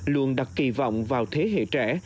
luôn đặt kỳ vọng vào thế hệ trẻ